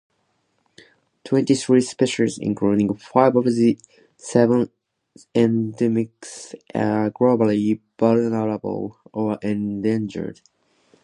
Twenty-three species, including five of the seven endemics, are globally vulnerable or endangered.